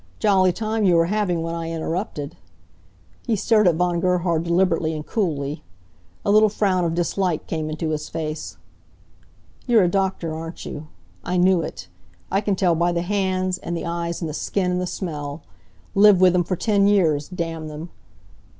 Jolly time you were having when I interrupted." He stared at Von Gerhard deliberately and coolly. A little frown of dislike came into his face. "You're a doctor, aren't you? I knew it. I can tell by the hands, and the eyes, and the skin, and the smell. Lived with 'em for ten years, damn them!